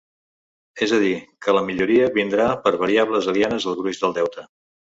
És a dir, que la millora vindrà per variables alienes al gruix del deute.